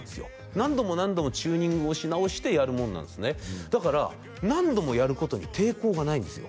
何度も何度もチューニングをし直してやるもんなんですねだから何度もやることに抵抗がないんですよ